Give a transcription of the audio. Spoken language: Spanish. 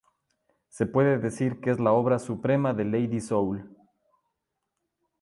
Se puede decir que es la obra suprema de Lady Soul.